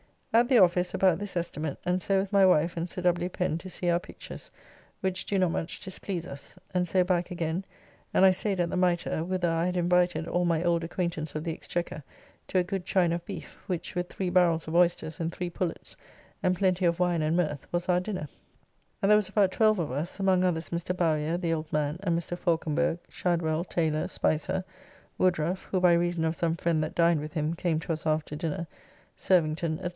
At the office about this estimate and so with my wife and Sir W. Pen to see our pictures, which do not much displease us, and so back again, and I staid at the Mitre, whither I had invited all my old acquaintance of the Exchequer to a good chine of beef, which with three barrels of oysters and three pullets, and plenty of wine and mirth, was our dinner, and there was about twelve of us, among others Mr. Bowyer, the old man, and Mr. Faulconberge, Shadwell, Taylor, Spicer, Woodruffe (who by reason of some friend that dined with him came to us after dinner), Servington, &c.